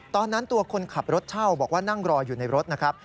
ตอนนั้นตัวคนขับรถเช่าบอกว่านั่งรออยู่ในรถนะครับ